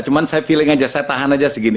cuma saya feeling aja saya tahan aja segini